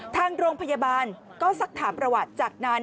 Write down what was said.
ทางโรงพยาบาลก็สักถามประวัติจากนั้น